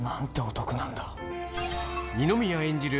二宮演じる